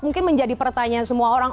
mungkin menjadi pertanyaan semua orang